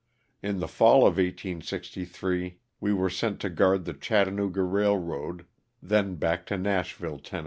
In the fall of 1863 we were sent to guard the Chattanooga railroad, then back to Nashville, Tenn.